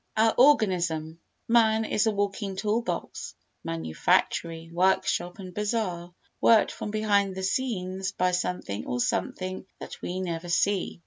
Our Organism Man is a walking tool box, manufactory, workshop and bazaar worked from behind the scenes by someone or something that we never see.